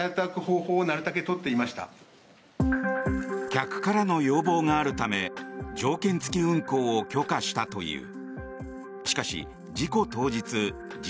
客からの要望があるため条件付き運航を許可したという。